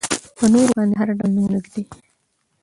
په نورو باندې هر ډول نومونه ږدي.